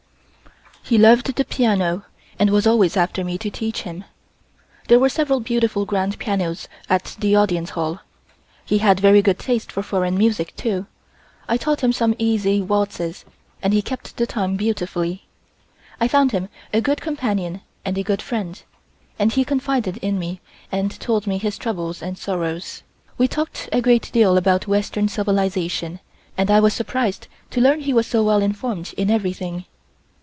He loved the piano, and was always after me to teach him. There were several beautiful grand pianos at the Audience Hall. He had very good taste for foreign music, too. I taught him some easy waltzes and he kept the time beautifully. I found him a good companion and a good friend, and he confided in me and told me his troubles and sorrows. We talked a great deal about western civilization, and I was surprised to learn he was so well informed in everything.